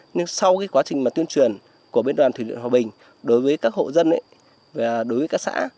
nhưng sau quá trình tuyên truyền của bên đoàn thủy điện hòa bình đối với các hộ dân và đối với các xã